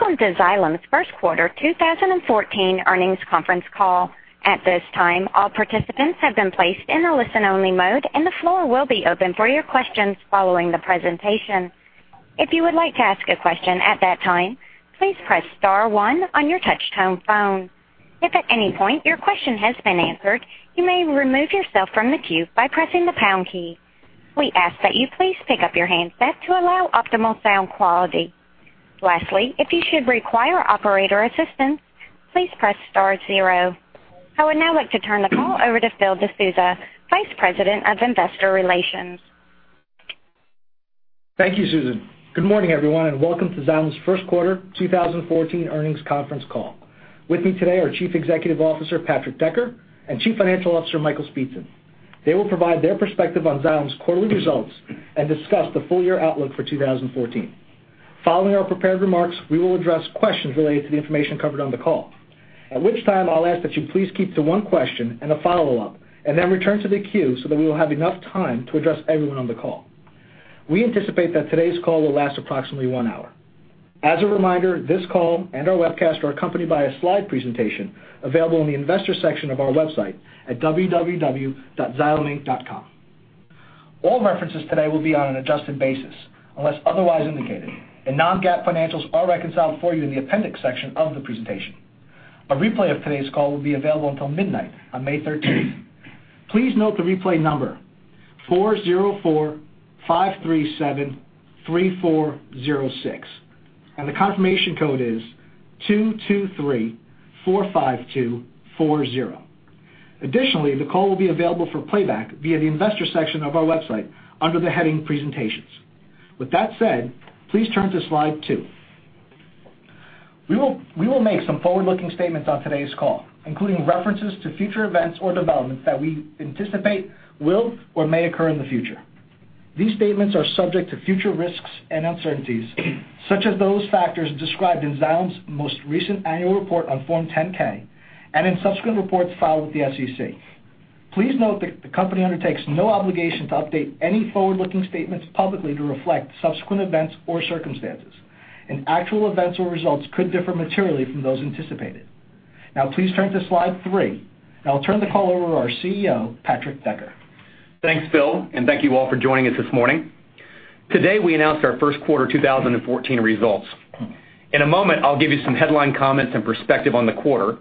Welcome to Xylem's first quarter 2014 earnings conference call. At this time, all participants have been placed in a listen-only mode, and the floor will be open for your questions following the presentation. If you would like to ask a question at that time, please press star one on your touch-tone phone. If at any point your question has been answered, you may remove yourself from the queue by pressing the pound key. We ask that you please pick up your handset to allow optimal sound quality. Lastly, if you should require operator assistance, please press star zero. I would now like to turn the call over to Phil De Sousa, Vice President of Investor Relations. Thank you, Susan. Good morning, everyone, and welcome to Xylem's first quarter 2014 earnings conference call. With me today are Chief Executive Officer, Patrick Decker, and Chief Financial Officer, Michael Speetzen. They will provide their perspective on Xylem's quarterly results and discuss the full-year outlook for 2014. Following our prepared remarks, we will address questions related to the information covered on the call. At which time, I'll ask that you please keep to one question and a follow-up, and then return to the queue so that we will have enough time to address everyone on the call. We anticipate that today's call will last approximately one hour. As a reminder, this call and our webcast are accompanied by a slide presentation available in the investors section of our website at www.xyleminc.com. All references today will be on an adjusted basis, unless otherwise indicated, and non-GAAP financials are reconciled for you in the appendix section of the presentation. A replay of today's call will be available until midnight on May 13th. Please note the replay number, 404-537-3406, and the confirmation code is 22345240. Additionally, the call will be available for playback via the investors section of our website under the heading presentations. With that said, please turn to slide two. We will make some forward-looking statements on today's call, including references to future events or developments that we anticipate will or may occur in the future. These statements are subject to future risks and uncertainties, such as those factors described in Xylem's most recent annual report on Form 10-K and in subsequent reports filed with the SEC. Please note that the company undertakes no obligation to update any forward-looking statements publicly to reflect subsequent events or circumstances, and actual events or results could differ materially from those anticipated. Now, please turn to slide three, and I'll turn the call over to our CEO, Patrick Decker. Thanks, Phil, and thank you all for joining us this morning. Today, we announced our first quarter 2014 results. In a moment, I'll give you some headline comments and perspective on the quarter.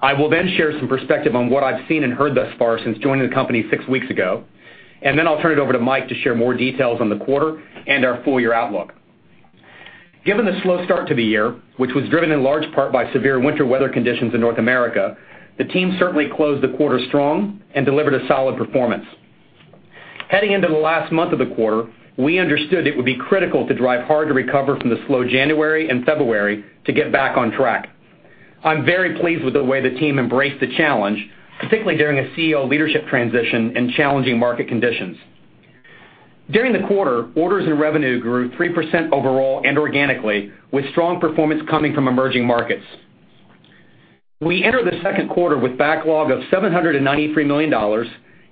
I will then share some perspective on what I've seen and heard thus far since joining the company six weeks ago. Then I'll turn it over to Mike to share more details on the quarter and our full-year outlook. Given the slow start to the year, which was driven in large part by severe winter weather conditions in North America, the team certainly closed the quarter strong and delivered a solid performance. Heading into the last month of the quarter, we understood it would be critical to drive hard to recover from the slow January and February to get back on track. I'm very pleased with the way the team embraced the challenge, particularly during a CEO leadership transition and challenging market conditions. During the quarter, orders and revenue grew 3% overall and organically, with strong performance coming from emerging markets. We enter the second quarter with backlog of $793 million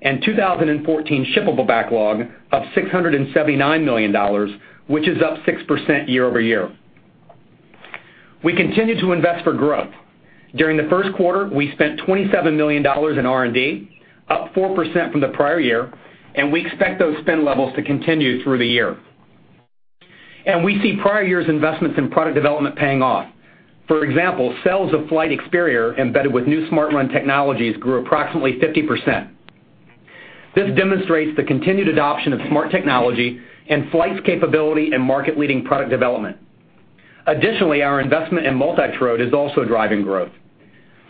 and 2014 shippable backlog of $679 million, which is up 6% year-over-year. We continue to invest for growth. During the first quarter, we spent $27 million in R&D, up 4% from the prior year. We expect those spend levels to continue through the year. We see prior years' investments in product development paying off. For example, sales of Flygt Experior embedded with new SmartRun technologies grew approximately 50%. This demonstrates the continued adoption of smart technology and Flygt's capability in market-leading product development. Additionally, our investment in MultiTrode is also driving growth.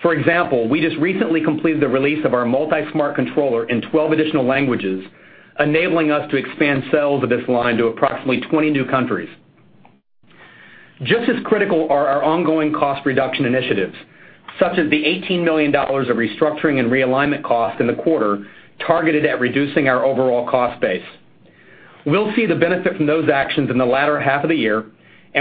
For example, we just recently completed the release of our MultiSmart Controller in 12 additional languages, enabling us to expand sales of this line to approximately 20 new countries. Just as critical are our ongoing cost reduction initiatives, such as the $18 million of restructuring and realignment costs in the quarter targeted at reducing our overall cost base. We'll see the benefit from those actions in the latter half of the year.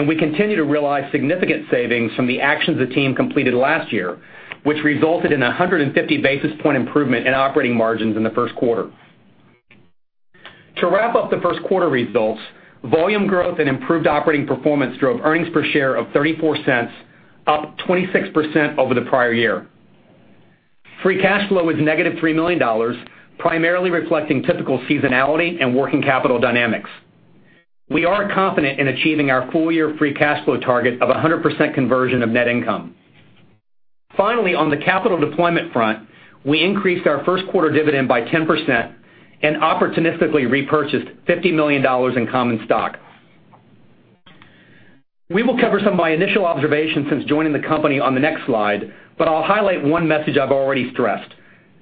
We continue to realize significant savings from the actions the team completed last year, which resulted in 150 basis point improvement in operating margins in the first quarter. To wrap up the first quarter results, volume growth and improved operating performance drove earnings per share of $0.34, up 26% over the prior year. Free cash flow was negative $3 million, primarily reflecting typical seasonality and working capital dynamics. We are confident in achieving our full-year free cash flow target of 100% conversion of net income. Finally, on the capital deployment front, we increased our first quarter dividend by 10% and opportunistically repurchased $50 million in common stock. We will cover some of my initial observations since joining the company on the next slide. I'll highlight one message I've already stressed,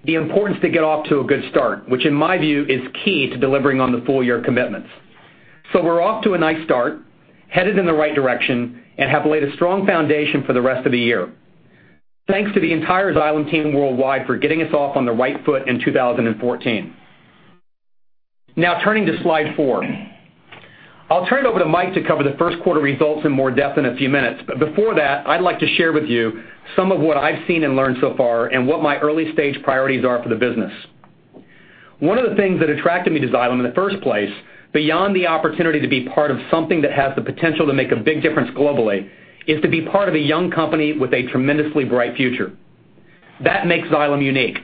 the importance to get off to a good start, which in my view is key to delivering on the full-year commitments. We're off to a nice start, headed in the right direction, and have laid a strong foundation for the rest of the year. Thanks to the entire Xylem team worldwide for getting us off on the right foot in 2014. Turning to slide four. I'll turn it over to Mike to cover the first quarter results in more depth in a few minutes. Before that, I'd like to share with you some of what I've seen and learned so far and what my early-stage priorities are for the business. One of the things that attracted me to Xylem in the first place, beyond the opportunity to be part of something that has the potential to make a big difference globally, is to be part of a young company with a tremendously bright future. That makes Xylem unique.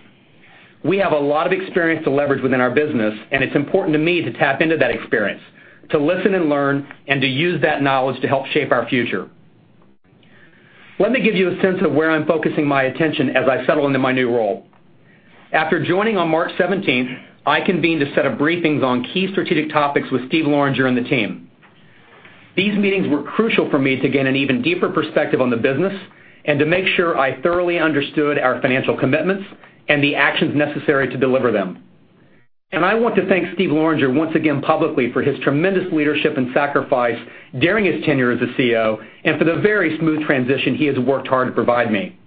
We have a lot of experience to leverage within our business, and it's important to me to tap into that experience, to listen and learn, and to use that knowledge to help shape our future. Let me give you a sense of where I'm focusing my attention as I settle into my new role. After joining on March 17, I convened a set of briefings on key strategic topics with Steven Loranger and the team. These meetings were crucial for me to gain an even deeper perspective on the business and to make sure I thoroughly understood our financial commitments and the actions necessary to deliver them. I want to thank Steven Loranger once again publicly for his tremendous leadership and sacrifice during his tenure as the CEO, and for the very smooth transition he has worked hard to provide me.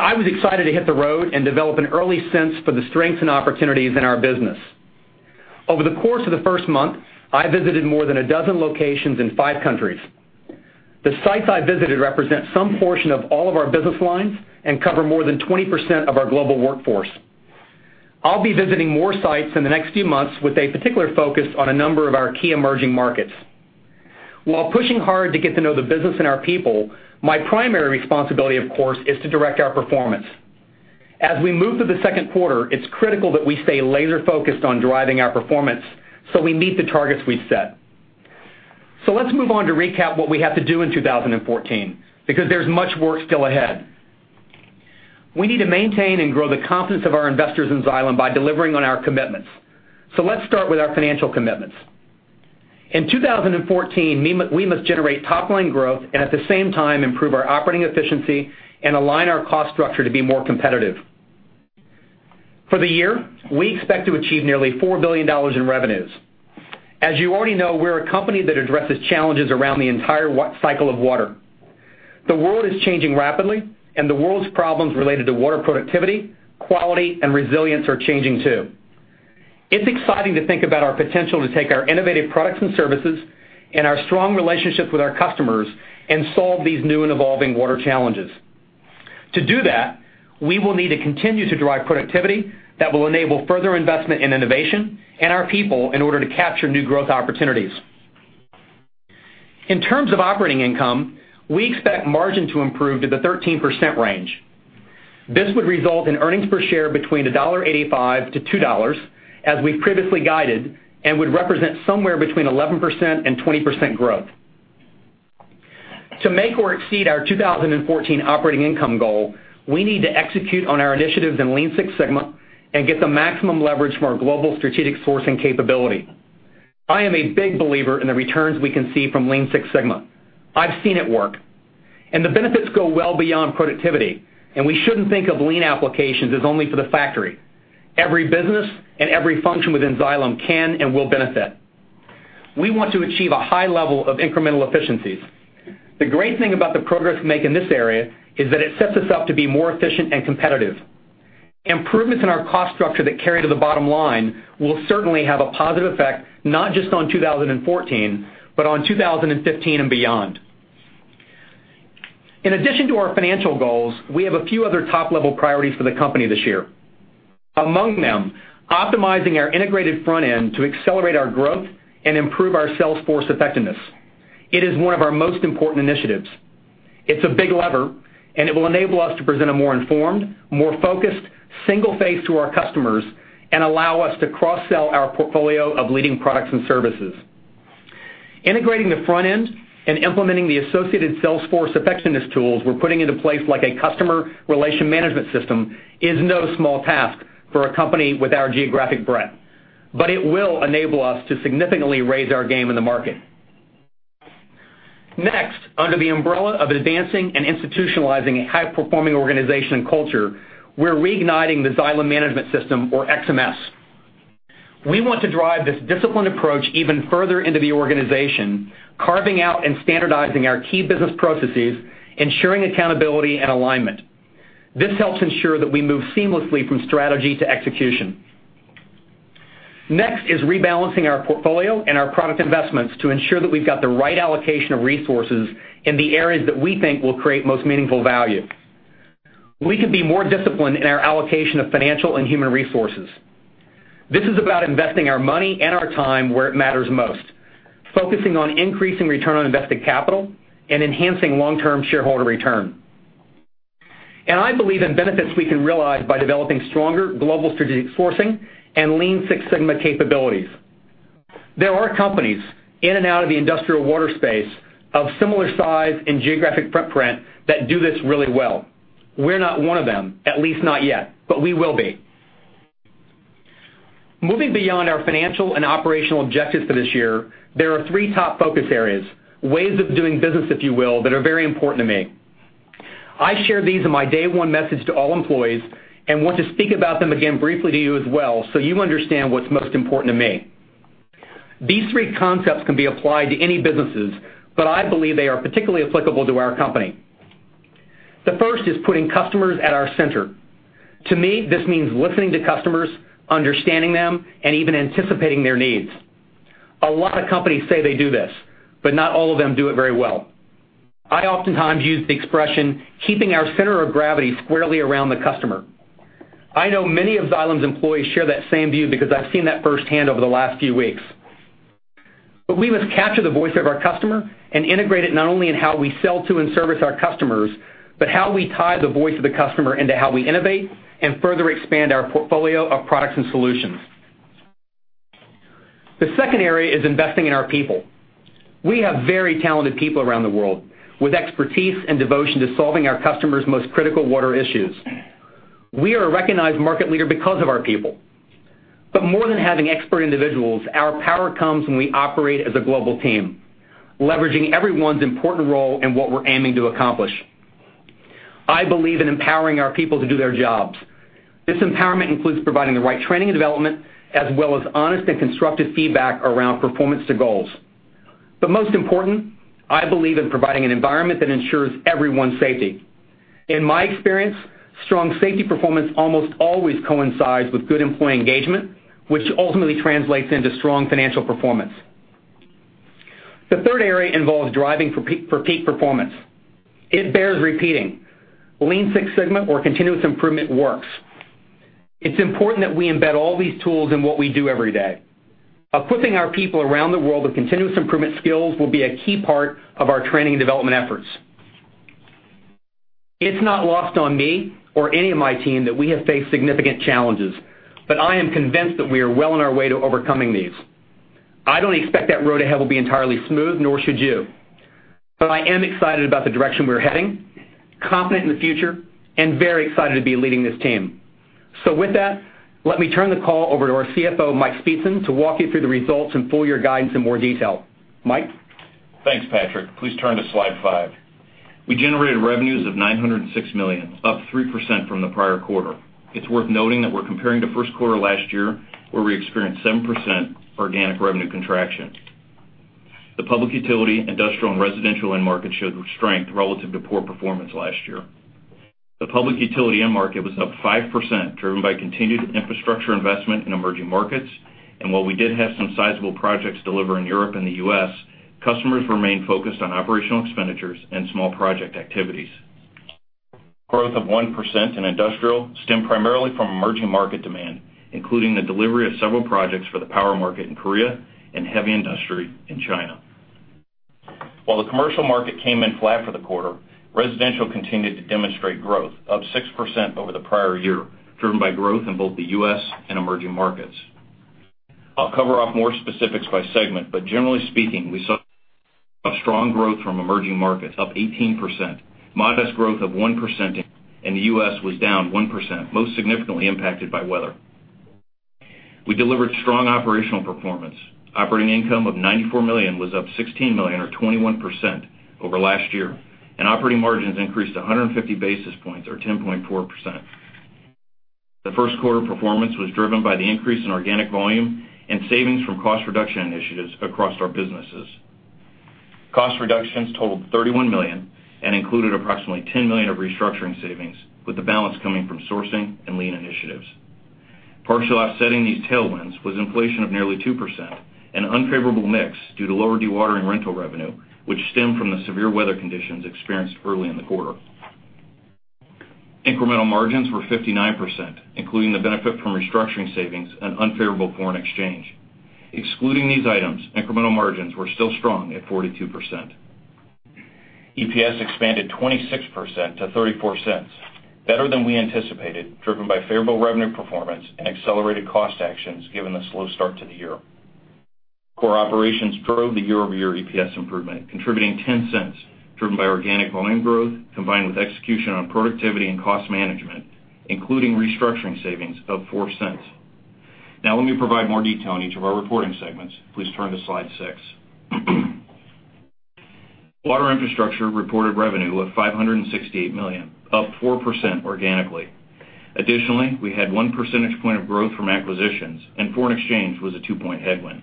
I was excited to hit the road and develop an early sense for the strengths and opportunities in our business. Over the course of the first month, I visited more than 12 locations in five countries. The sites I visited represent some portion of all of our business lines and cover more than 20% of our global workforce. I'll be visiting more sites in the next few months with a particular focus on a number of our key emerging markets. While pushing hard to get to know the business and our people, my primary responsibility, of course, is to direct our performance. As we move through the second quarter, it's critical that we stay laser-focused on driving our performance so we meet the targets we've set. Let's move on to recap what we have to do in 2014, because there's much work still ahead. We need to maintain and grow the confidence of our investors in Xylem by delivering on our commitments. Let's start with our financial commitments. In 2014, we must generate top-line growth and at the same time improve our operating efficiency and align our cost structure to be more competitive. For the year, we expect to achieve nearly $4 billion in revenues. As you already know, we're a company that addresses challenges around the entire cycle of water. The world is changing rapidly, the world's problems related to water productivity, quality, and resilience are changing, too. It's exciting to think about our potential to take our innovative products and services and our strong relationships with our customers, and solve these new and evolving water challenges. To do that, we will need to continue to drive productivity that will enable further investment in innovation and our people in order to capture new growth opportunities. In terms of operating income, we expect margin to improve to the 13% range. This would result in earnings per share between $1.85-$2 as we've previously guided, and would represent somewhere between 11%-20% growth. To make or exceed our 2014 operating income goal, we need to execute on our initiatives in Lean Six Sigma and get the maximum leverage from our global strategic sourcing capability. I am a big believer in the returns we can see from Lean Six Sigma. I've seen it work. The benefits go well beyond productivity, and we shouldn't think of Lean applications as only for the factory. Every business and every function within Xylem can and will benefit. We want to achieve a high level of incremental efficiencies. The great thing about the progress we make in this area is that it sets us up to be more efficient and competitive. Improvements in our cost structure that carry to the bottom line will certainly have a positive effect, not just on 2014, but on 2015 and beyond. In addition to our financial goals, we have a few other top-level priorities for the company this year. Among them, optimizing our integrated front end to accelerate our growth and improve our sales force effectiveness. It is one of our most important initiatives. It's a big lever, and it will enable us to present a more informed, more focused, single face to our customers and allow us to cross-sell our portfolio of leading products and services. Integrating the front end and implementing the associated sales force effectiveness tools we're putting into place, like a customer relationship management system, is no small task for a company with our geographic breadth. It will enable us to significantly raise our game in the market. Next, under the umbrella of advancing and institutionalizing a high-performing organization and culture, we're reigniting the Xylem Management System, or XMS. We want to drive this disciplined approach even further into the organization, carving out and standardizing our key business processes, ensuring accountability and alignment. This helps ensure that we move seamlessly from strategy to execution. Next is rebalancing our portfolio and our product investments to ensure that we've got the right allocation of resources in the areas that we think will create most meaningful value. We could be more disciplined in our allocation of financial and human resources. This is about investing our money and our time where it matters most, focusing on increasing return on invested capital and enhancing long-term shareholder return. I believe in benefits we can realize by developing stronger global strategic sourcing and Lean Six Sigma capabilities. There are companies in and out of the industrial water space of similar size and geographic footprint that do this really well. We're not one of them, at least not yet. We will be. Moving beyond our financial and operational objectives for this year, there are three top focus areas, ways of doing business, if you will, that are very important to me. I shared these in my day one message to all employees and want to speak about them again briefly to you as well so you understand what's most important to me. These three concepts can be applied to any businesses, but I believe they are particularly applicable to our company. The first is putting customers at our center. To me, this means listening to customers, understanding them, and even anticipating their needs. A lot of companies say they do this, but not all of them do it very well. I oftentimes use the expression, "Keeping our center of gravity squarely around the customer." I know many of Xylem's employees share that same view because I've seen that firsthand over the last few weeks. We must capture the voice of our customer and integrate it not only in how we sell to and service our customers, but how we tie the voice of the customer into how we innovate and further expand our portfolio of products and solutions. The second area is investing in our people. We have very talented people around the world with expertise and devotion to solving our customers' most critical water issues. We are a recognized market leader because of our people. More than having expert individuals, our power comes when we operate as a global team, leveraging everyone's important role in what we're aiming to accomplish. I believe in empowering our people to do their jobs. This empowerment includes providing the right training and development, as well as honest and constructive feedback around performance to goals. Most important, I believe in providing an environment that ensures everyone's safety. In my experience, strong safety performance almost always coincides with good employee engagement, which ultimately translates into strong financial performance. The third area involves driving repeat performance. It bears repeating. Lean Six Sigma or continuous improvement works. It's important that we embed all these tools in what we do every day. Equipping our people around the world with continuous improvement skills will be a key part of our training and development efforts. It's not lost on me or any of my team that we have faced significant challenges, but I am convinced that we are well on our way to overcoming these. I don't expect that road ahead will be entirely smooth, nor should you. I am excited about the direction we're heading, confident in the future, and very excited to be leading this team. With that, let me turn the call over to our CFO, Mike Speetzen, to walk you through the results and full-year guidance in more detail. Mike? Thanks, Patrick. Please turn to slide five. We generated revenues of $906 million, up 3% from the prior quarter. It's worth noting that we're comparing to first quarter last year, where we experienced 7% organic revenue contraction. The public utility, industrial, and residential end market showed strength relative to poor performance last year. The public utility end market was up 5%, driven by continued infrastructure investment in emerging markets. While we did have some sizable projects deliver in Europe and the U.S., customers remained focused on operational expenditures and small project activities. Growth of 1% in industrial stemmed primarily from emerging market demand, including the delivery of several projects for the power market in Korea and heavy industry in China. While the commercial market came in flat for the quarter, residential continued to demonstrate growth, up 6% over the prior year, driven by growth in both the U.S. and emerging markets. I'll cover off more specifics by segment, but generally speaking, we saw strong growth from emerging markets, up 18%. Modest growth of 1% in the U.S. was down 1%, most significantly impacted by weather. We delivered strong operational performance. Operating income of $94 million was up $16 million or 21% over last year, and operating margins increased 150 basis points or 10.4%. The first quarter performance was driven by the increase in organic volume and savings from cost reduction initiatives across our businesses. Cost reductions totaled $31 million and included approximately $10 million of restructuring savings, with the balance coming from sourcing and Lean initiatives. Partially offsetting these tailwinds was inflation of nearly 2% and unfavorable mix due to lower dewatering rental revenue, which stemmed from the severe weather conditions experienced early in the quarter. Incremental margins were 59%, including the benefit from restructuring savings and unfavorable foreign exchange. Excluding these items, incremental margins were still strong at 42%. EPS expanded 26% to $0.34, better than we anticipated, driven by favorable revenue performance and accelerated cost actions given the slow start to the year. Core operations drove the year-over-year EPS improvement, contributing $0.10, driven by organic volume growth combined with execution on productivity and cost management, including restructuring savings of $0.04. Let me provide more detail on each of our reporting segments. Please turn to slide six. Water Infrastructure reported revenue of $568 million, up 4% organically. Additionally, we had one percentage point of growth from acquisitions, and foreign exchange was a two-point headwind.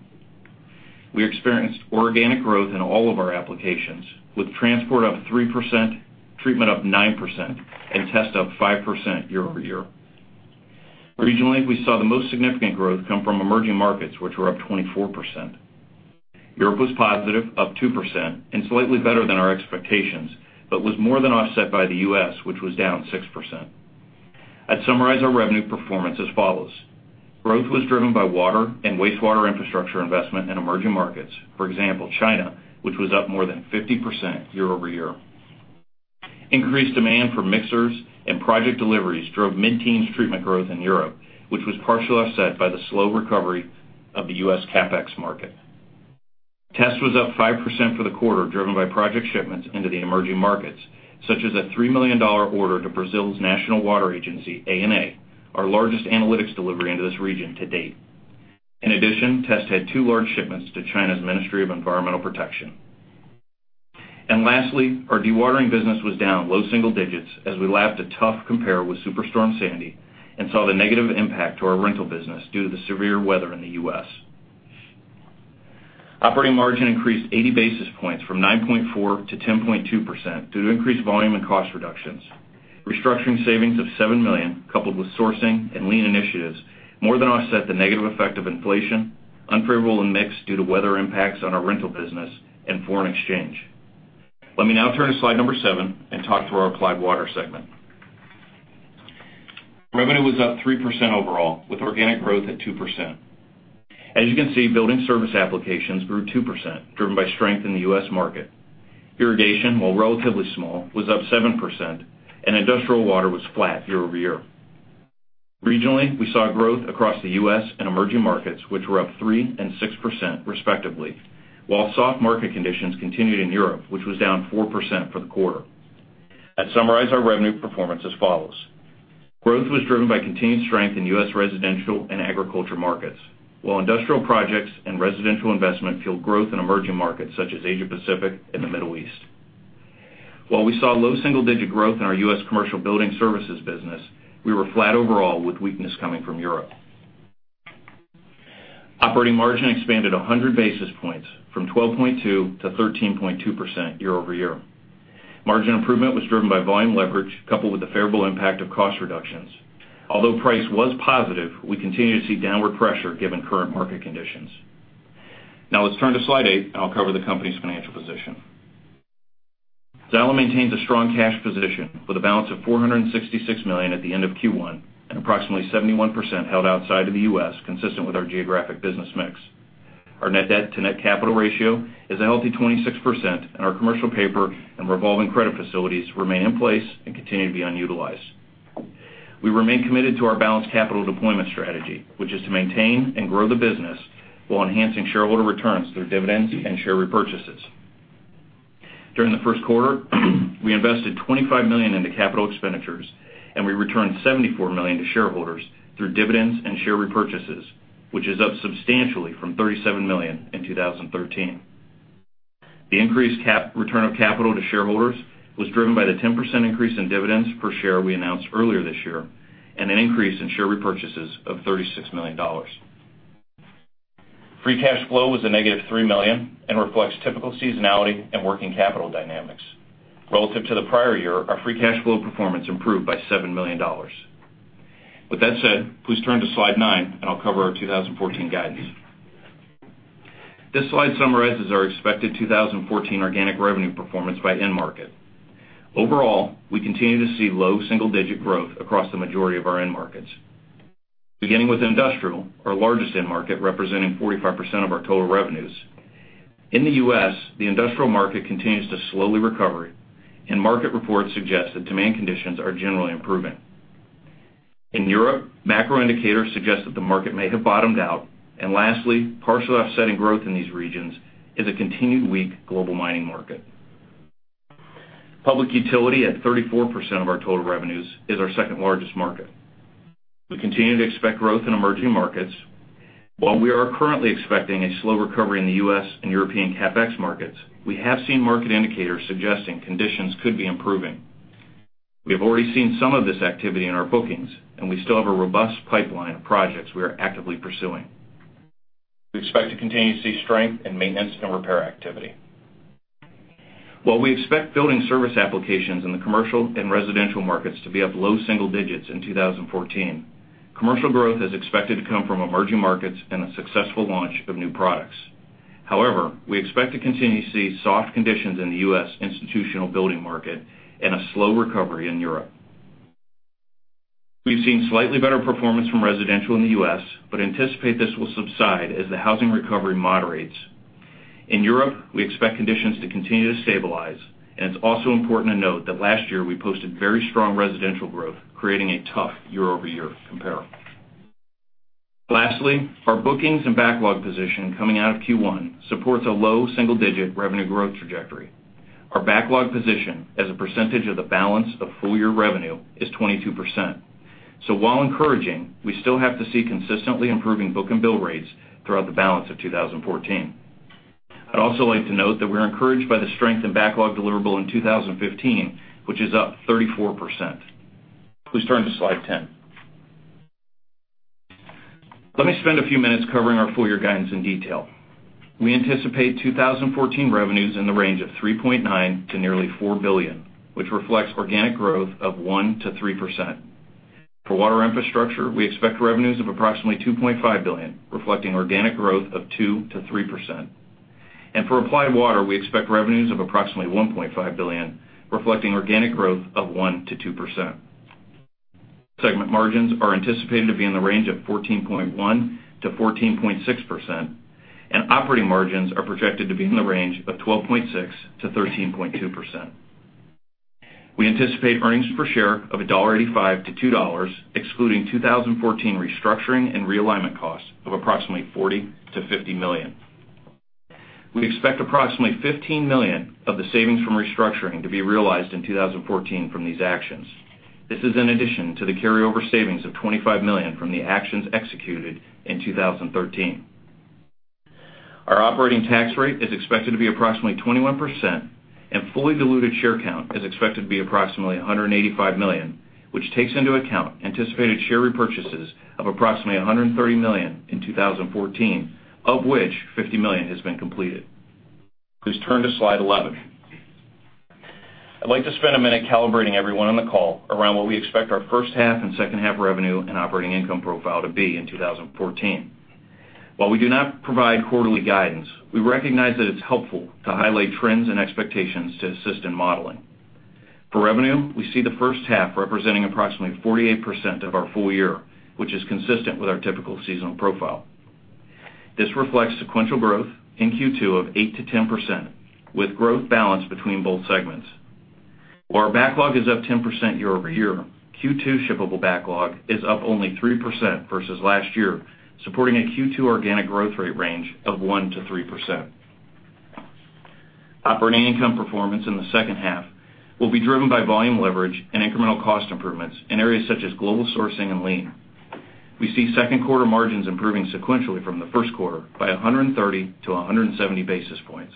We experienced organic growth in all of our applications, with transport up 3%, treatment up 9%, and test up 5% year-over-year. Regionally, we saw the most significant growth come from emerging markets, which were up 24%. Europe was positive, up 2%, and slightly better than our expectations, but was more than offset by the U.S., which was down 6%. I'd summarize our revenue performance as follows. Growth was driven by water and wastewater infrastructure investment in emerging markets, for example, China, which was up more than 50% year-over-year. Increased demand for mixers and project deliveries drove mid-teens treatment growth in Europe, which was partially offset by the slow recovery of the U.S. CapEx market. Test was up 5% for the quarter, driven by project shipments into the emerging markets, such as a $3 million order to Brazil's National Water Agency, ANA, our largest analytics delivery into this region to date. In addition, Test had two large shipments to China's Ministry of Environmental Protection. Lastly, our dewatering business was down low single digits as we lapped a tough compare with Superstorm Sandy and saw the negative impact to our rental business due to the severe weather in the U.S. Operating margin increased 80 basis points from 9.4% to 10.2% due to increased volume and cost reductions. Restructuring savings of $7 million, coupled with sourcing and Lean initiatives, more than offset the negative effect of inflation, unfavorable mix due to weather impacts on our rental business and foreign exchange. Let me now turn to slide number seven and talk through our Applied Water segment. Revenue was up 3% overall, with organic growth at 2%. As you can see, building service applications grew 2%, driven by strength in the U.S. market. Irrigation, while relatively small, was up 7%, and industrial water was flat year-over-year. Regionally, we saw growth across the U.S. and emerging markets, which were up 3% and 6% respectively, while soft market conditions continued in Europe, which was down 4% for the quarter. I'd summarize our revenue performance as follows. Growth was driven by continued strength in U.S. residential and agriculture markets, while industrial projects and residential investment fueled growth in emerging markets such as Asia Pacific and the Middle East. While we saw low single-digit growth in our U.S. commercial building services business, we were flat overall, with weakness coming from Europe. Operating margin expanded 100 basis points from 12.2% to 13.2% year-over-year. Margin improvement was driven by volume leverage, coupled with the favorable impact of cost reductions. Although price was positive, we continue to see downward pressure given current market conditions. Now let's turn to slide eight, and I'll cover the company's financial position. Xylem maintains a strong cash position with a balance of $466 million at the end of Q1 and approximately 71% held outside of the U.S., consistent with our geographic business mix. Our net debt to net capital ratio is a healthy 26%, and our commercial paper and revolving credit facilities remain in place and continue to be unutilized. We remain committed to our balanced capital deployment strategy, which is to maintain and grow the business while enhancing shareholder returns through dividends and share repurchases. During the first quarter, we invested $25 million into capital expenditures, and we returned $74 million to shareholders through dividends and share repurchases, which is up substantially from $37 million in 2013. The increased return of capital to shareholders was driven by the 10% increase in dividends per share we announced earlier this year and an increase in share repurchases of $36 million. Free cash flow was a negative $3 million and reflects typical seasonality and working capital dynamics. Relative to the prior year, our free cash flow performance improved by $7 million. With that said, please turn to slide nine, and I'll cover our 2014 guidance. This slide summarizes our expected 2014 organic revenue performance by end market. Overall, we continue to see low double-digit growth across the majority of our end markets. Beginning with industrial, our largest end market, representing 45% of our total revenues. In the U.S., the industrial market continues to slowly recover, and market reports suggest that demand conditions are generally improving. In Europe, macro indicators suggest that the market may have bottomed out. Lastly, partially offsetting growth in these regions is a continued weak global mining market. Public utility, at 34% of our total revenues, is our second largest market. We continue to expect growth in emerging markets. While we are currently expecting a slow recovery in the U.S. and European CapEx markets, we have seen market indicators suggesting conditions could be improving. We have already seen some of this activity in our bookings, and we still have a robust pipeline of projects we are actively pursuing. We expect to continue to see strength in maintenance and repair activity. While we expect building service applications in the commercial and residential markets to be up low single digits in 2014, commercial growth is expected to come from emerging markets and a successful launch of new products. However, we expect to continue to see soft conditions in the U.S. institutional building market and a slow recovery in Europe. We've seen slightly better performance from residential in the U.S. but anticipate this will subside as the housing recovery moderates. In Europe, we expect conditions to continue to stabilize, and it's also important to note that last year we posted very strong residential growth, creating a tough year-over-year compare. Lastly, our bookings and backlog position coming out of Q1 supports a low single-digit revenue growth trajectory. Our backlog position as a percentage of the balance of full year revenue is 22%. While encouraging, we still have to see consistently improving book and bill rates throughout the balance of 2014. I'd also like to note that we're encouraged by the strength in backlog deliverable in 2015, which is up 34%. Please turn to slide 10. Let me spend a few minutes covering our full year guidance in detail. We anticipate 2014 revenues in the range of $3.9 billion to nearly $4 billion, which reflects organic growth of 1%-3%. For Water Infrastructure, we expect revenues of approximately $2.5 billion, reflecting organic growth of 2%-3%. For Applied Water, we expect revenues of approximately $1.5 billion, reflecting organic growth of 1%-2%. Segment margins are anticipated to be in the range of 14.1%-14.6%, and operating margins are projected to be in the range of 12.6%-13.2%. We anticipate earnings per share of $1.85-$2, excluding 2014 restructuring and realignment costs of approximately $40 million-$50 million. We expect approximately $15 million of the savings from restructuring to be realized in 2014 from these actions. This is in addition to the carryover savings of $25 million from the actions executed in 2013. Our operating tax rate is expected to be approximately 21%, and fully diluted share count is expected to be approximately 185 million, which takes into account anticipated share repurchases of approximately 130 million in 2014, of which 50 million has been completed. Please turn to slide 11. I'd like to spend a minute calibrating everyone on the call around what we expect our first half and second half revenue and operating income profile to be in 2014. While we do not provide quarterly guidance, we recognize that it's helpful to highlight trends and expectations to assist in modeling. For revenue, we see the first half representing approximately 48% of our full year, which is consistent with our typical seasonal profile. This reflects sequential growth in Q2 of 8%-10%, with growth balanced between both segments. While our backlog is up 10% year-over-year, Q2 shippable backlog is up only 3% versus last year, supporting a Q2 organic growth rate range of 1%-3%. Operating income performance in the second half will be driven by volume leverage and incremental cost improvements in areas such as global sourcing and lean. We see second quarter margins improving sequentially from the first quarter by 130-170 basis points.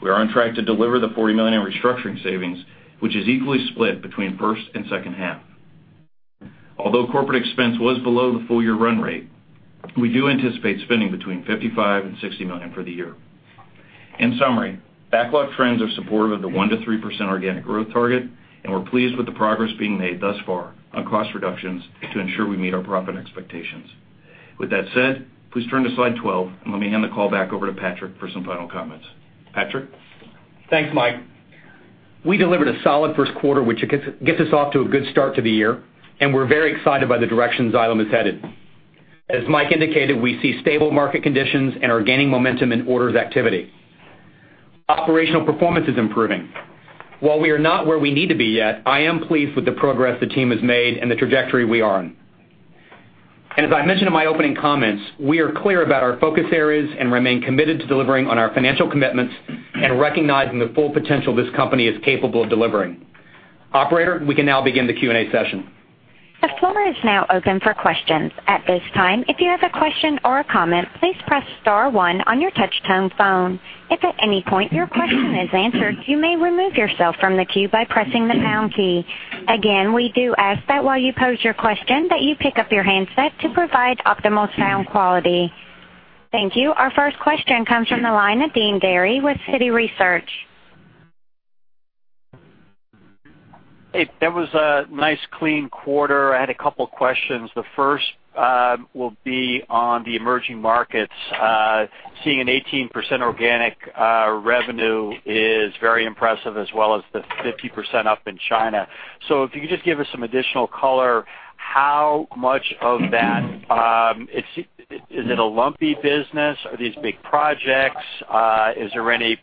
We are on track to deliver the $40 million restructuring savings, which is equally split between first and second half. Although corporate expense was below the full-year run rate, we do anticipate spending between $55 million and $60 million for the year. In summary, backlog trends are supportive of the 1%-3% organic growth target, and we're pleased with the progress being made thus far on cost reductions to ensure we meet our profit expectations. With that said, please turn to slide 12, and let me hand the call back over to Patrick for some final comments. Patrick? Thanks, Mike. We delivered a solid first quarter, which gets us off to a good start to the year, and we're very excited by the direction Xylem is headed. As Mike indicated, we see stable market conditions and are gaining momentum in orders activity. Operational performance is improving. While we are not where we need to be yet, I am pleased with the progress the team has made and the trajectory we are on. As I mentioned in my opening comments, we are clear about our focus areas and remain committed to delivering on our financial commitments and recognizing the full potential this company is capable of delivering. Operator, we can now begin the Q&A session. The floor is now open for questions. At this time, if you have a question or a comment, please press *1 on your touch-tone phone. If at any point your question is answered, you may remove yourself from the queue by pressing the # key. Again, we do ask that while you pose your question, that you pick up your handset to provide optimal sound quality. Thank you. Our first question comes from the line of Deane Dray with Citi Research. Hey, that was a nice clean quarter. I had a couple questions. The first will be on the emerging markets. Seeing an 18% organic revenue is very impressive, as well as the 50% up in China. If you could just give us some additional color, how much of that, is it a lumpy business? Are these big projects? Is there any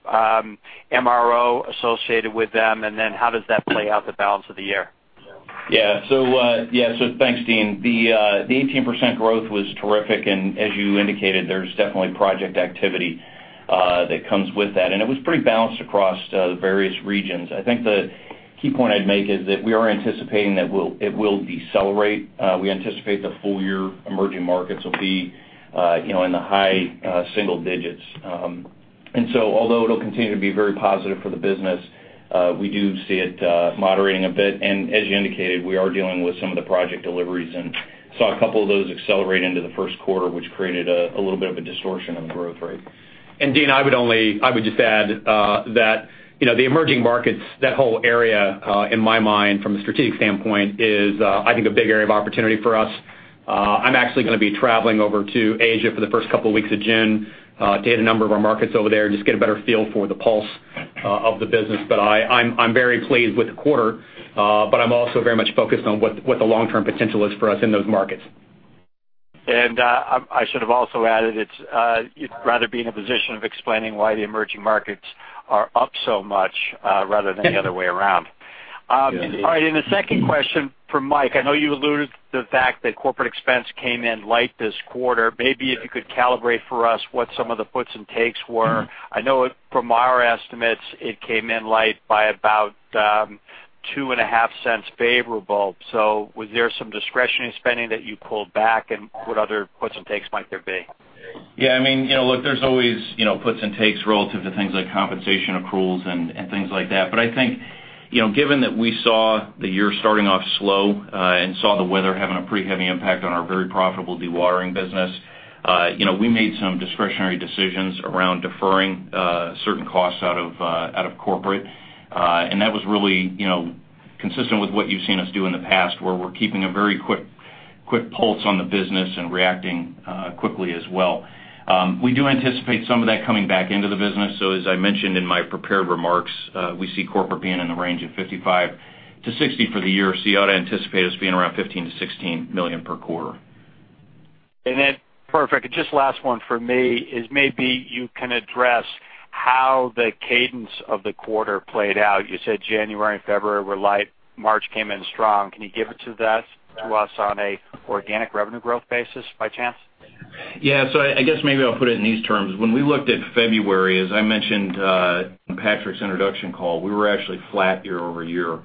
MRO associated with them, how does that play out the balance of the year? Thanks, Deane. The 18% growth was terrific, and as you indicated, there's definitely project activity that comes with that, and it was pretty balanced across the various regions. I think the key point I'd make is that we are anticipating that it will decelerate. We anticipate the full year emerging markets will be in the high single digits. Although it'll continue to be very positive for the business, we do see it moderating a bit. As you indicated, we are dealing with some of the project deliveries and saw a couple of those accelerate into the first quarter, which created a little bit of a distortion in the growth rate. Deane, I would just add that the emerging markets, that whole area, in my mind, from a strategic standpoint, is I think a big area of opportunity for us. I'm actually going to be traveling over to Asia for the first couple of weeks of June to hit a number of our markets over there and just get a better feel for the pulse of the business. I'm very pleased with the quarter, but I'm also very much focused on what the long-term potential is for us in those markets. I should have also added, it's rather be in a position of explaining why the emerging markets are up so much rather than the other way around. Yeah. All right, the second question for Mike, I know you alluded to the fact that corporate expense came in light this quarter. Maybe if you could calibrate for us what some of the puts and takes were. I know from our estimates, it came in light by about $0.025 favorable. Was there some discretionary spending that you pulled back, and what other puts and takes might there be? Look, there's always puts and takes relative to things like compensation accruals and things like that. I think, given that we saw the year starting off slow and saw the weather having a pretty heavy impact on our very profitable dewatering business, we made some discretionary decisions around deferring certain costs out of corporate. That was really consistent with what you've seen us do in the past, where we're keeping a very quick pulse on the business and reacting quickly as well. We do anticipate some of that coming back into the business. As I mentioned in my prepared remarks, we see corporate being in the range of $55 million-$60 million for the year. You ought to anticipate us being around $15 million-$16 million per quarter. Perfect. Just last one from me is maybe you can address how the cadence of the quarter played out. You said January and February were light, March came in strong. Can you give it to us on an organic revenue growth basis by chance? Yeah. I guess maybe I'll put it in these terms. When we looked at February, as I mentioned in Patrick's introduction call, we were actually flat year-over-year.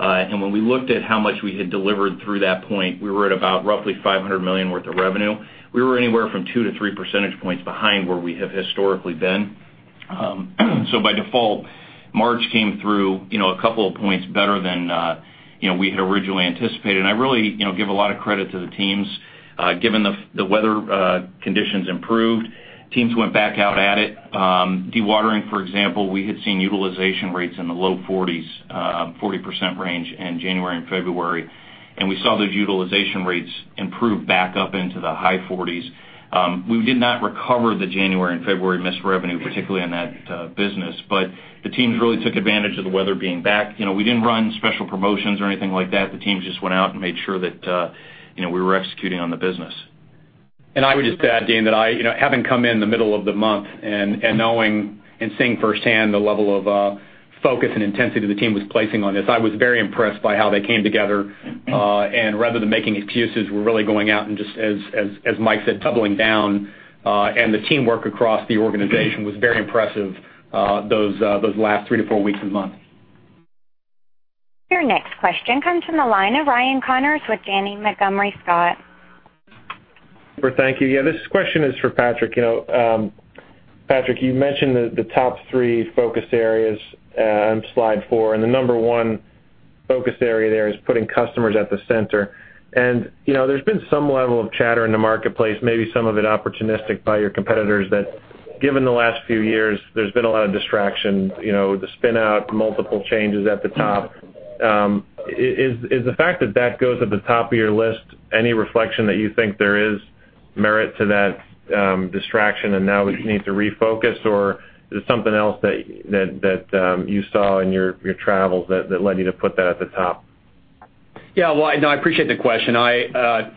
When we looked at how much we had delivered through that point, we were at about roughly $500 million worth of revenue. We were anywhere from two to three percentage points behind where we have historically been. By default March came through a couple of points better than we had originally anticipated. I really give a lot of credit to the teams, given the weather conditions improved. Teams went back out at it. Dewatering, for example, we had seen utilization rates in the low 40s, 40% range in January and February, and we saw those utilization rates improve back up into the high 40s. We did not recover the January and February missed revenue, particularly in that business, the teams really took advantage of the weather being back. We didn't run special promotions or anything like that. The teams just went out and made sure that we were executing on the business. I would just add, Deane, that I, having come in the middle of the month and knowing and seeing firsthand the level of focus and intensity the team was placing on this, I was very impressed by how they came together. Rather than making excuses, we're really going out and just, as Mike said, doubling down, and the teamwork across the organization was very impressive those last three to four weeks and months. Your next question comes from the line of Ryan Connors with Janney Montgomery Scott. Thank you. Yeah, this question is for Patrick. Patrick, you mentioned the top three focus areas on slide four, and the number one focus area there is putting customers at the center. There's been some level of chatter in the marketplace, maybe some of it opportunistic by your competitors, that given the last few years, there's been a lot of distraction, the spin out, multiple changes at the top. Is the fact that that goes at the top of your list any reflection that you think there is merit to that distraction and now we need to refocus? Or is it something else that you saw in your travels that led you to put that at the top? Yeah. Well, I appreciate the question. I'd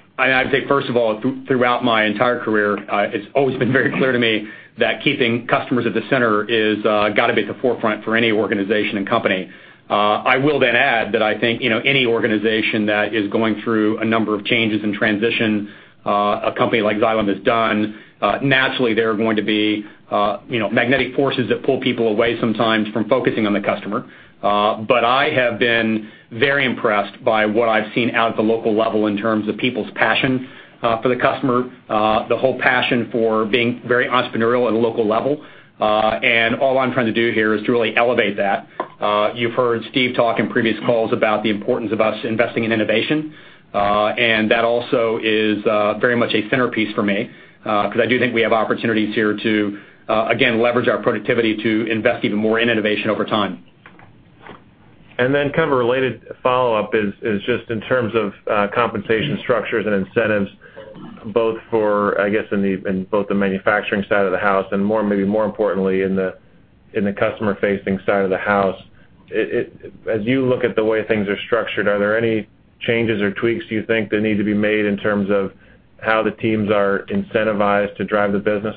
say, first of all, throughout my entire career, it's always been very clear to me that keeping customers at the center is got to be at the forefront for any organization and company. I will then add that I think, any organization that is going through a number of changes in transition, a company like Xylem has done, naturally there are going to be magnetic forces that pull people away sometimes from focusing on the customer. I have been very impressed by what I've seen out at the local level in terms of people's passion for the customer, the whole passion for being very entrepreneurial at a local level. All I'm trying to do here is to really elevate that. You've heard Steve talk in previous calls about the importance of us investing in innovation. That also is very much a centerpiece for me, because I do think we have opportunities here to, again, leverage our productivity to invest even more in innovation over time. Then kind of a related follow-up is just in terms of compensation structures and incentives, both for, I guess, in both the manufacturing side of the house and maybe more importantly, in the customer-facing side of the house. As you look at the way things are structured, are there any changes or tweaks you think that need to be made in terms of how the teams are incentivized to drive the business?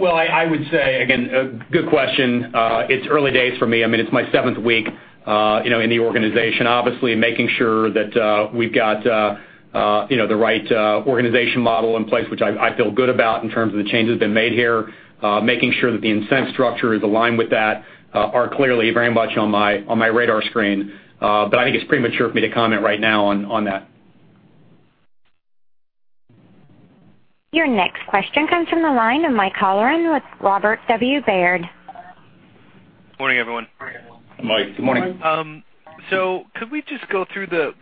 Well, I would say, again, good question. It's early days for me. It's my seventh week in the organization. Obviously, making sure that we've got the right organization model in place, which I feel good about in terms of the changes that have been made here. Making sure that the incentive structure is aligned with that are clearly very much on my radar screen. I think it's premature for me to comment right now on that. Your next question comes from the line of Mike Halloran with Robert W. Baird. Morning, everyone. Mike, good morning. Could we just go through the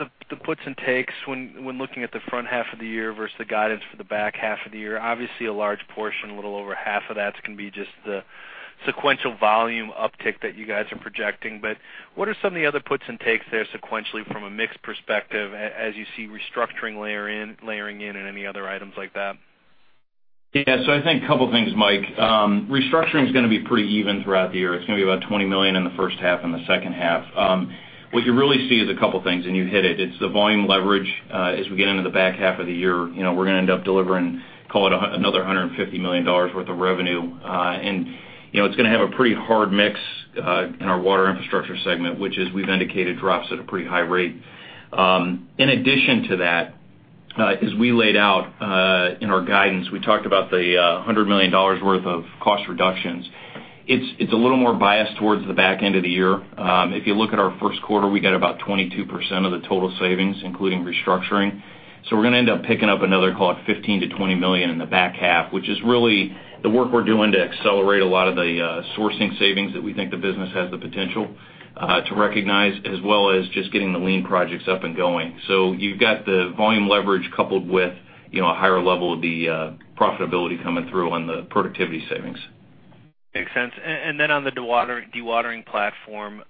puts and takes when looking at the front half of the year versus the guidance for the back half of the year? Obviously, a large portion, a little over half of that's going to be just the sequential volume uptick that you guys are projecting. What are some of the other puts and takes there sequentially from a mix perspective as you see restructuring layering in and any other items like that? Yeah. I think a couple of things, Mike. Restructuring is going to be pretty even throughout the year. It's going to be about $20 million in the first half and the second half. What you really see is a couple of things, and you hit it. It's the volume leverage as we get into the back half of the year. We're going to end up delivering, call it another $150 million worth of revenue. It's going to have a pretty hard mix in our Water Infrastructure segment, which as we've indicated, drops at a pretty high rate. In addition to that, as we laid out in our guidance, we talked about the $100 million worth of cost reductions. It's a little more biased towards the back end of the year. If you look at our first quarter, we get about 22% of the total savings, including restructuring. We're going to end up picking up another, call it $15 million-$20 million in the back half, which is really the work we're doing to accelerate a lot of the sourcing savings that we think the business has the potential to recognize, as well as just getting the lean projects up and going. You've got the volume leverage coupled with a higher level of the profitability coming through on the productivity savings. Makes sense. Then on the dewatering platform,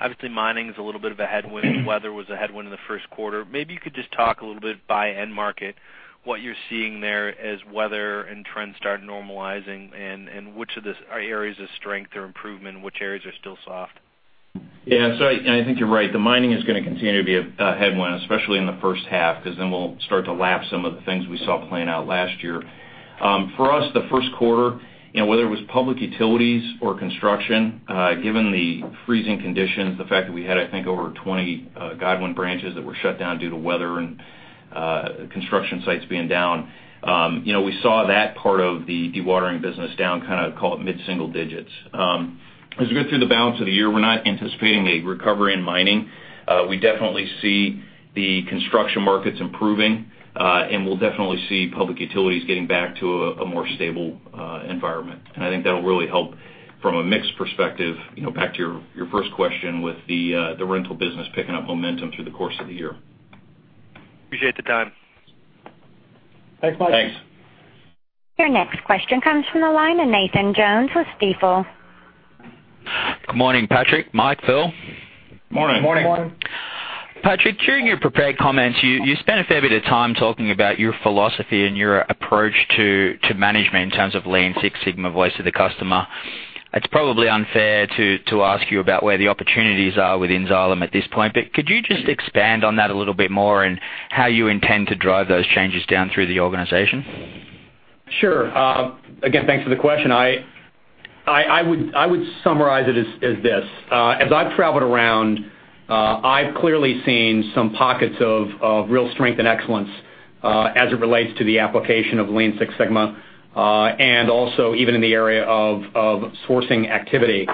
obviously mining is a little bit of a headwind. Weather was a headwind in the first quarter. Maybe you could just talk a little bit by end market, what you're seeing there as weather and trends start normalizing, and which of these are areas of strength or improvement, and which areas are still soft? I think you're right. The mining is going to continue to be a headwind, especially in the first half, because then we'll start to lap some of the things we saw playing out last year. For us, the first quarter, whether it was public utilities or construction, given the freezing conditions, the fact that we had, I think, over 20 Godwin branches that were shut down due to weather and construction sites being down. We saw that part of the dewatering business down kind of, call it mid-single digits. As we go through the balance of the year, we're not anticipating a recovery in mining. We definitely see the construction markets improving, we'll definitely see public utilities getting back to a more stable environment. I think that'll really help from a mix perspective, back to your first question, with the rental business picking up momentum through the course of the year. Appreciate the time. Thanks, Mike. Thanks. Your next question comes from the line of Nathan Jones with Stifel. Good morning, Patrick, Mike, Phil. Morning. Morning. Patrick, during your prepared comments, you spent a fair bit of time talking about your philosophy and your approach to management in terms of Lean Six Sigma voice of the customer. It's probably unfair to ask you about where the opportunities are within Xylem at this point, but could you just expand on that a little bit more and how you intend to drive those changes down through the organization? Sure. Again, thanks for the question. I would summarize it as this. As I've traveled around, I've clearly seen some pockets of real strength and excellence, as it relates to the application of Lean Six Sigma, and also even in the area of sourcing activity.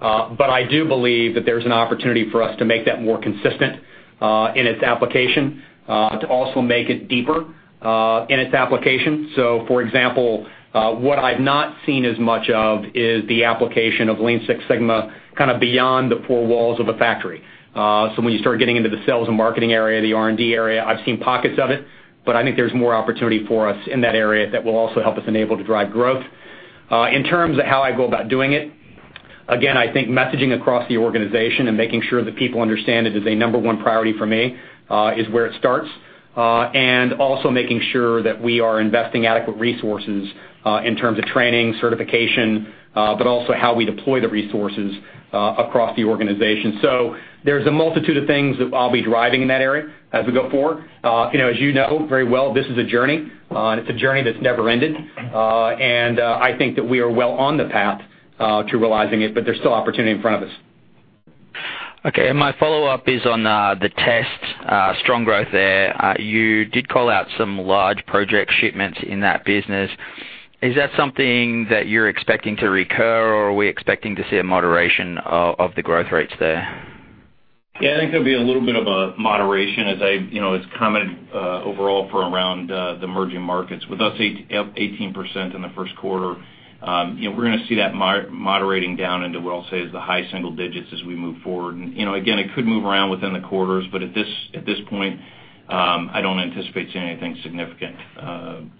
I do believe that there's an opportunity for us to make that more consistent in its application, to also make it deeper in its application. For example, what I've not seen as much of is the application of Lean Six Sigma kind of beyond the four walls of a factory. When you start getting into the sales and marketing area, the R&D area, I've seen pockets of it, but I think there's more opportunity for us in that area that will also help us enable to drive growth. In terms of how I go about doing it, again, I think messaging across the organization and making sure that people understand it is a number one priority for me, is where it starts. Also making sure that we are investing adequate resources, in terms of training, certification, but also how we deploy the resources across the organization. There's a multitude of things that I'll be driving in that area as we go forward. As you know very well, this is a journey, and it's a journey that's never ended. I think that we are well on the path to realizing it, but there's still opportunity in front of us. Okay, my follow-up is on the tests, strong growth there. You did call out some large project shipments in that business. Is that something that you're expecting to recur, or are we expecting to see a moderation of the growth rates there? I think there'll be a little bit of a moderation, as I've commented overall for around the emerging markets. With us, 18% in the first quarter, we're going to see that moderating down into what I'll say is the high single digits as we move forward. Again, it could move around within the quarters, but at this point, I don't anticipate seeing anything significant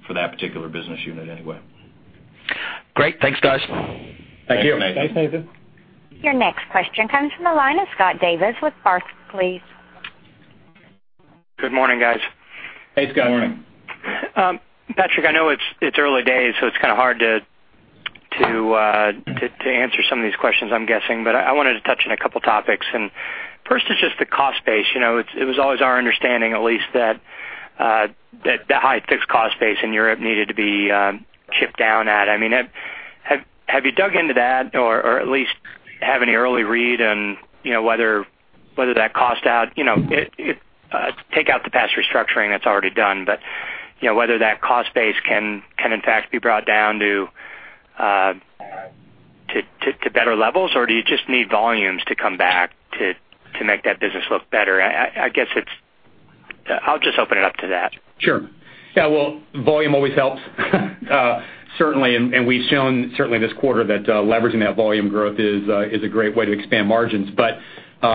for that particular business unit anyway. Great. Thanks, guys. Thank you. Thanks, Nathan. Your next question comes from the line of Scott Davis with Barclays, please. Good morning, guys. Hey, Scott. Morning. Patrick, I know it's early days, so it's kind of hard to answer some of these questions, I'm guessing, but I wanted to touch on a couple topics. First is just the cost base. It was always our understanding, at least, that the high fixed cost base in Europe needed to be chipped down at. Have you dug into that or at least have any early read on whether that cost out, take out the past restructuring that's already done, but whether that cost base can in fact be brought down to better levels, or do you just need volumes to come back to make that business look better? I guess I'll just open it up to that. Sure. Yeah. Volume always helps certainly, and we've shown certainly this quarter that leveraging that volume growth is a great way to expand margins.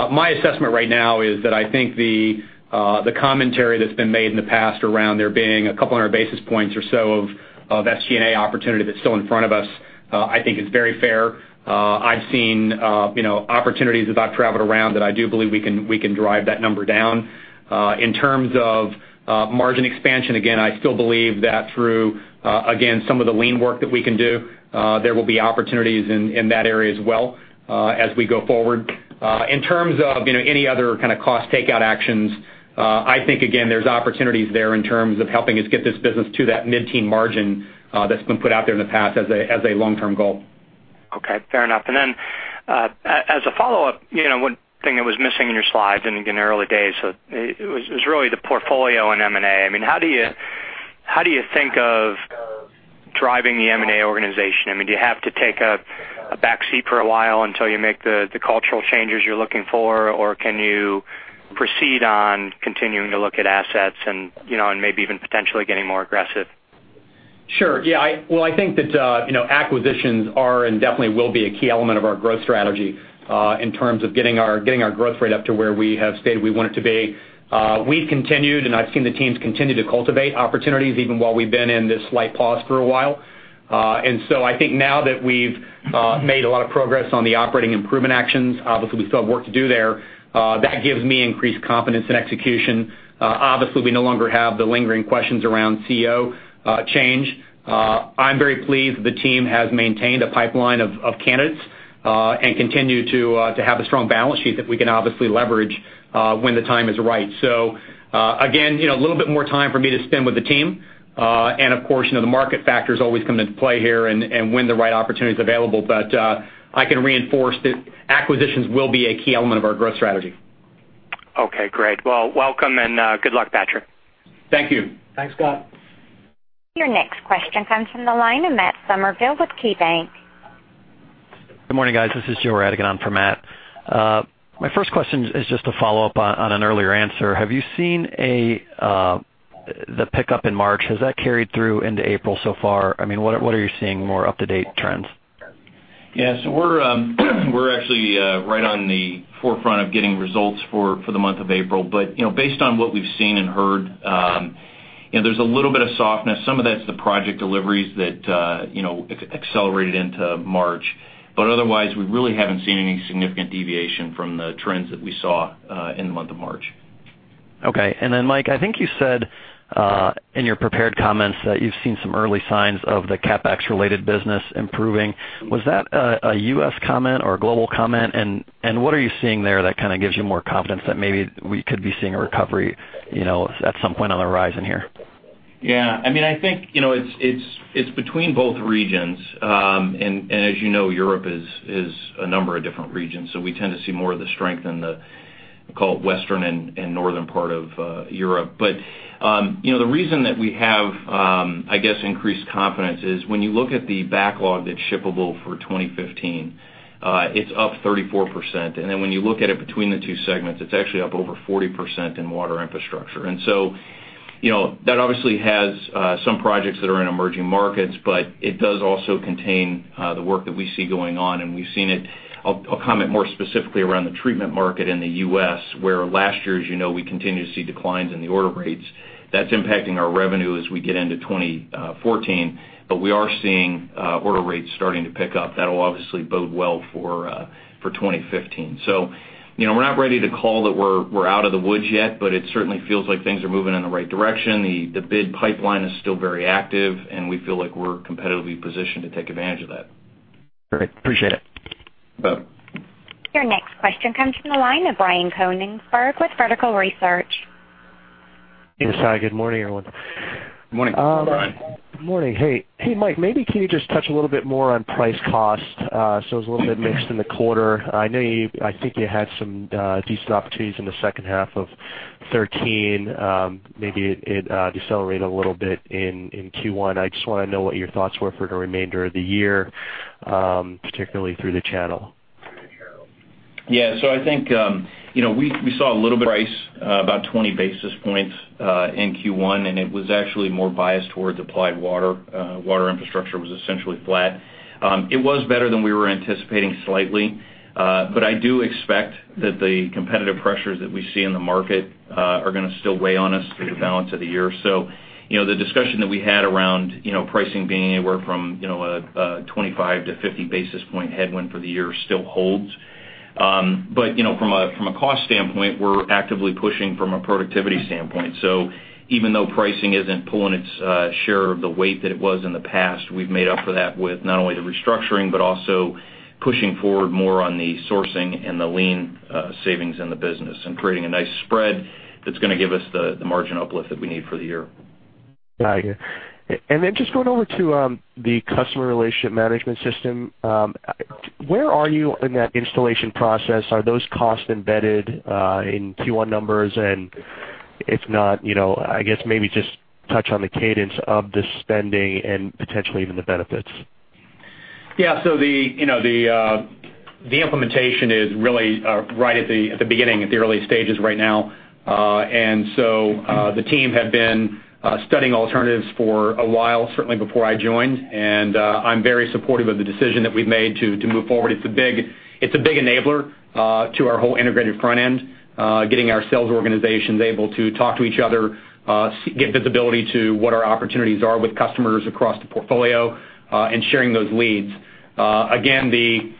My assessment right now is that I think the commentary that's been made in the past around there being a couple of 100 basis points or so of SG&A opportunity that's still in front of us, I think is very fair. I've seen opportunities as I've traveled around that I do believe we can drive that number down. In terms of margin expansion, again, I still believe that through, again, some of the Lean work that we can do, there will be opportunities in that area as well, as we go forward. In terms of any other kind of cost takeout actions, I think, again, there's opportunities there in terms of helping us get this business to that mid-teen margin that's been put out there in the past as a long-term goal. Okay. Fair enough. As a follow-up, one thing that was missing in your slides in the early days, it was really the portfolio in M&A. How do you think of driving the M&A organization? Do you have to take a back seat for a while until you make the cultural changes you're looking for, or can you proceed on continuing to look at assets and maybe even potentially getting more aggressive? Sure. Yeah. I think that acquisitions are and definitely will be a key element of our growth strategy, in terms of getting our growth rate up to where we have stated we want it to be. We've continued, and I've seen the teams continue to cultivate opportunities, even while we've been in this slight pause for a while. I think now that we've made a lot of progress on the operating improvement actions, obviously we still have work to do there, that gives me increased confidence in execution. Obviously, we no longer have the lingering questions around CEO change. I'm very pleased the team has maintained a pipeline of candidates, and continue to have a strong balance sheet that we can obviously leverage when the time is right. Again, a little bit more time for me to spend with the team. Of course, the market factors always come into play here and when the right opportunity is available, but I can reinforce that acquisitions will be a key element of our growth strategy. Okay, great. Welcome, and good luck, Patrick. Thank you. Thanks, Scott. Your next question comes from the line of Matt Summerville with KeyBank. Good morning, guys. This is Joe Radigan for Matt. My first question is just a follow-up on an earlier answer. Have you seen the pickup in March? Has that carried through into April so far? What are you seeing more up-to-date trends? Yeah. We're actually right on the forefront of getting results for the month of April. Based on what we've seen and heard, there's a little bit of softness. Some of that's the project deliveries that accelerated into March. Otherwise, we really haven't seen any significant deviation from the trends that we saw in the month of March. Okay. Mike, I think you said, in your prepared comments, that you've seen some early signs of the CapEx-related business improving. Was that a U.S. comment or a global comment? What are you seeing there that gives you more confidence that maybe we could be seeing a recovery at some point on the horizon here? Yeah. I think it's between both regions. As you know, Europe is a number of different regions. We tend to see more of the strength in the, call it, western and northern part of Europe. The reason that we have increased confidence is when you look at the backlog that's shippable for 2015, it's up 34%. When you look at it between the two segments, it's actually up over 40% in Water Infrastructure. That obviously has some projects that are in emerging markets, but it does also contain the work that we see going on, and we've seen it. I'll comment more specifically around the treatment market in the U.S., where last year, as you know, we continue to see declines in the order rates. That's impacting our revenue as we get into 2014. We are seeing order rates starting to pick up. That'll obviously bode well for 2015. We're not ready to call that we're out of the woods yet, but it certainly feels like things are moving in the right direction. The bid pipeline is still very active, and we feel like we're competitively positioned to take advantage of that. Great. Appreciate it. You bet. Your next question comes from the line of Brian Konigsberg with Vertical Research. Yes, hi. Good morning, everyone. Good morning, Brian. Good morning. Hey, Mike, maybe can you just touch a little bit more on price cost? It was a little bit mixed in the quarter. I think you had some decent opportunities in the second half of 2013. Maybe it decelerated a little bit in Q1. I just want to know what your thoughts were for the remainder of the year, particularly through the channel. I think, we saw a little price, about 20 basis points, in Q1, and it was actually more biased towards Applied Water. Water Infrastructure was essentially flat. It was better than we were anticipating slightly. I do expect that the competitive pressures that we see in the market are going to still weigh on us through the balance of the year. The discussion that we had around pricing being anywhere from a 25 to 50 basis point headwind for the year still holds. From a cost standpoint, we're actively pushing from a productivity standpoint. Even though pricing isn't pulling its share of the weight that it was in the past, we've made up for that with not only the restructuring, but also pushing forward more on the sourcing and the lean savings in the business and creating a nice spread that's going to give us the margin uplift that we need for the year. Got you. Just going over to the Customer Relationship Management System. Where are you in that installation process? Are those costs embedded in Q1 numbers? If not, I guess maybe just touch on the cadence of the spending and potentially even the benefits. Yeah. The implementation is really right at the beginning, at the early stages right now. The team had been studying alternatives for a while, certainly before I joined, and I'm very supportive of the decision that we've made to move forward. It's a big enabler to our whole integrated front end, getting our sales organizations able to talk to each other, get visibility to what our opportunities are with customers across the portfolio, and sharing those leads. The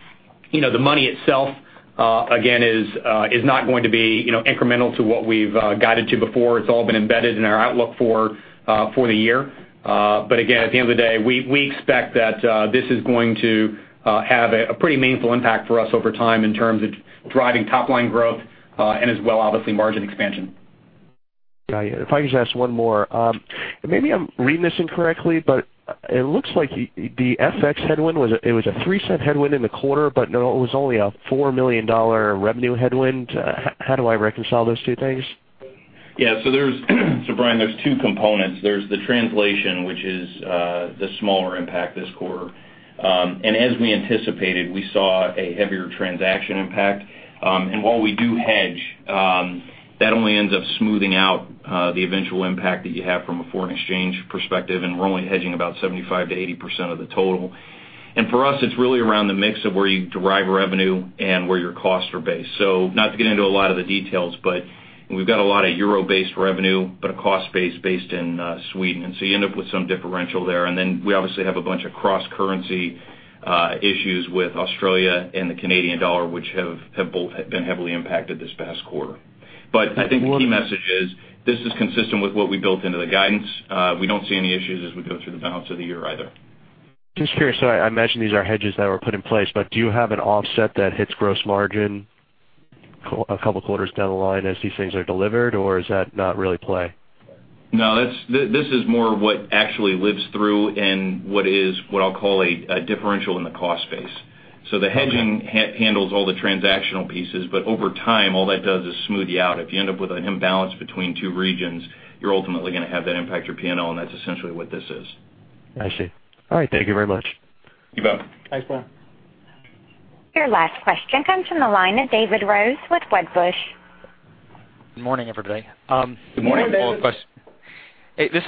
money itself, again, is not going to be incremental to what we've guided to before. It's all been embedded in our outlook for the year. Again, at the end of the day, we expect that this is going to have a pretty meaningful impact for us over time in terms of driving top-line growth, and as well, obviously, margin expansion. Got you. If I could just ask one more. Maybe I'm reading this incorrectly, but it looks like the FX headwind, it was a $0.03 headwind in the quarter, but it was only a $4 million revenue headwind. How do I reconcile those two things? Yeah. Brian, there's two components. There's the translation, which is the smaller impact this quarter. As we anticipated, we saw a heavier transaction impact. While we do hedge, that only ends up smoothing out the eventual impact that you have from a foreign exchange perspective, and we're only hedging about 75%-80% of the total. For us, it's really around the mix of where you derive revenue and where your costs are based. Not to get into a lot of the details, but we've got a lot of euro-based revenue, but a cost base based in Sweden. You end up with some differential there. Then we obviously have a bunch of cross-currency issues with Australia and the Canadian dollar, which have both been heavily impacted this past quarter. I think the key message is, this is consistent with what we built into the guidance. We don't see any issues as we go through the balance of the year either. Just curious. I imagine these are hedges that were put in place, but do you have an offset that hits gross margin a couple of quarters down the line as these things are delivered, or is that not really play? No, this is more what actually lives through and what I'll call a differential in the cost base. The hedging handles all the transactional pieces, but over time, all that does is smooth you out. If you end up with an imbalance between two regions, you're ultimately going to have that impact your P&L, and that's essentially what this is. I see. All right. Thank you very much. You bet. Thanks, Brian. Your last question comes from the line of David Rose with Wedbush. Good morning, everybody. Good morning. Good morning. Hey, just a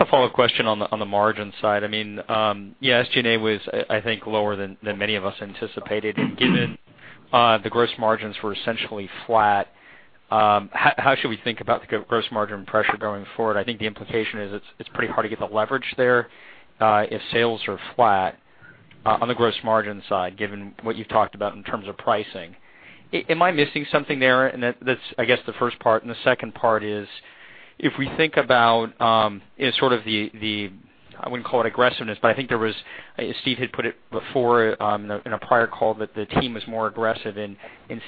follow-up question on the margin side. SG&A was, I think, lower than many of us anticipated. Given the gross margins were essentially flat, how should we think about the gross margin pressure going forward? I think the implication is it's pretty hard to get the leverage there if sales are flat on the gross margin side, given what you've talked about in terms of pricing. Am I missing something there? That's, I guess, the first part. The second part is, if we think about the, I wouldn't call it aggressiveness, but I think Steve had put it before in a prior call that the team was more aggressive in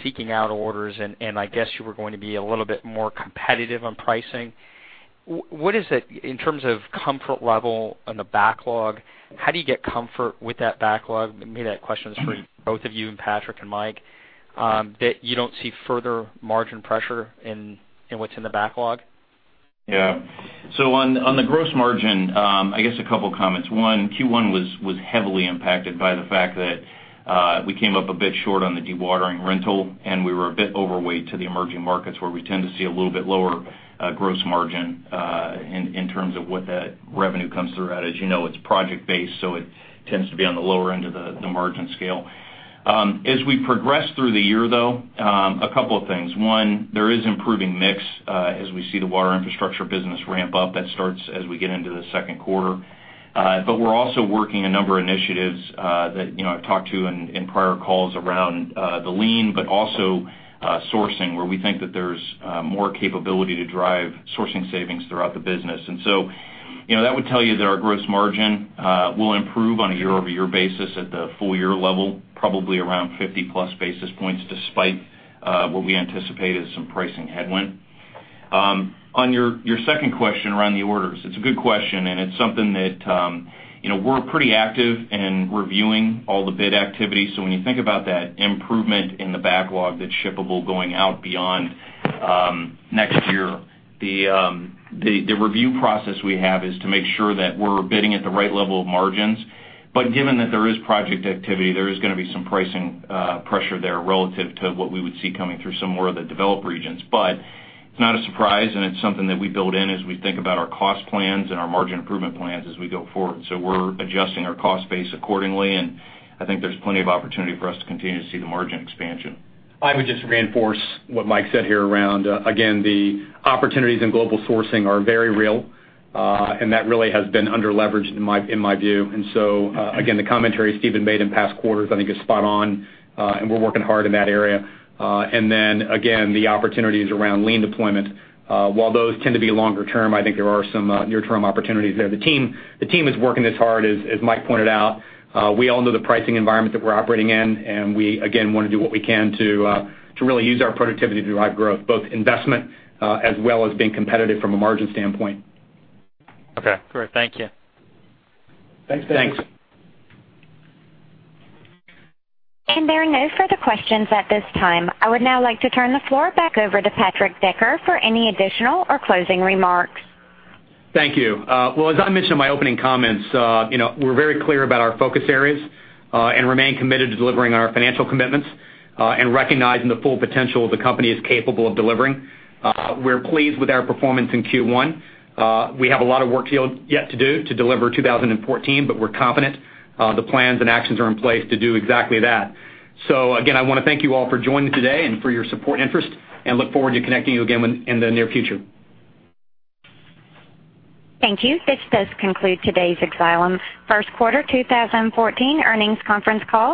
seeking out orders, I guess you were going to be a little bit more competitive on pricing. What is it, in terms of comfort level on the backlog, how do you get comfort with that backlog? Maybe that question is for both of you and Patrick and Mike, that you don't see further margin pressure in what's in the backlog? Yeah. On the gross margin, I guess a couple of comments. One, Q1 was heavily impacted by the fact that we came up a bit short on the dewatering rental, and we were a bit overweight to the emerging markets, where we tend to see a little bit lower gross margin in terms of what that revenue comes through at. As you know, it's project-based, so it tends to be on the lower end of the margin scale. As we progress through the year, though, a couple of things. One, there is improving mix as we see the Water Infrastructure business ramp up. That starts as we get into the second quarter. We're also working a number of initiatives that I've talked to in prior calls around the lean, also sourcing, where we think that there's more capability to drive sourcing savings throughout the business. That would tell you that our gross margin will improve on a year-over-year basis at the full-year level, probably around 50-plus basis points, despite what we anticipate is some pricing headwind. On your second question around the orders, it's a good question, it's something that we're pretty active in reviewing all the bid activity. When you think about that improvement in the backlog that's shippable going out beyond next year, the review process we have is to make sure that we're bidding at the right level of margins. Given that there is project activity, there is going to be some pricing pressure there relative to what we would see coming through some more of the developed regions. It's not a surprise, and it's something that we build in as we think about our cost plans and our margin improvement plans as we go forward. We're adjusting our cost base accordingly, and I think there's plenty of opportunity for us to continue to see the margin expansion. I would just reinforce what Mike said here around, again, the opportunities in global sourcing are very real, and that really has been under-leveraged, in my view. Again, the commentary Steven made in past quarters I think is spot on, and we're working hard in that area. Again, the opportunities around Lean deployment. While those tend to be longer term, I think there are some near-term opportunities there. The team is working this hard, as Mike pointed out. We all know the pricing environment that we're operating in, and we, again, want to do what we can to really use our productivity to drive growth, both investment as well as being competitive from a margin standpoint. Okay, great. Thank you. Thanks. Thanks. There are no further questions at this time. I would now like to turn the floor back over to Patrick Decker for any additional or closing remarks. Thank you. As I mentioned in my opening comments, we're very clear about our focus areas and remain committed to delivering our financial commitments and recognizing the full potential the company is capable of delivering. We're pleased with our performance in Q1. We have a lot of work yet to do to deliver 2014, but we're confident. The plans and actions are in place to do exactly that. Again, I want to thank you all for joining today and for your support interest, and look forward to connecting you again in the near future. Thank you. This does conclude today's Xylem First Quarter 2014 Earnings Conference Call.